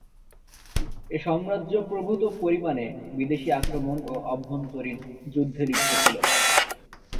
এই সাম্রাজ্য প্রভূত পরিমাণে বিদেশী আক্রমণ ও অভ্যন্তরীণ যুদ্ধে লিপ্ত ছিল।